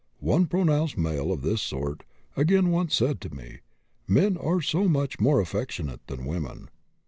One pronounced male of this sort, again, once said to me, 'men are so much more affectionate than women.'